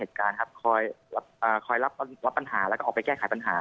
คือ